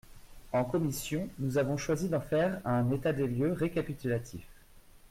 En commission, nous avons choisi d’en faire un « état des lieux récapitulatif ».